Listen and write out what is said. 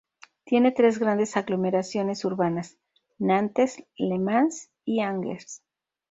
Tiene tres grandes aglomeraciones urbanas: Nantes, Le Mans y Angers.